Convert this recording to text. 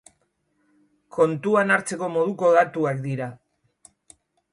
Kontuan hartzeko moduko datuak dira.